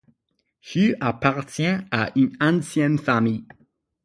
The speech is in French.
Hugues appartient à une ancienne famille.